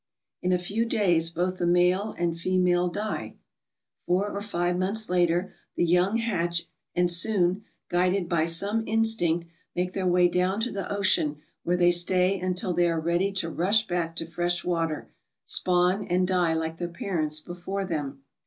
In a few days both the male and female die. Four or five months later the young hatch and soon, guided by some instinct, make their way down to the ocean where they stay until they are ready to rush back to fresh water, spawn, and die like their parents before them.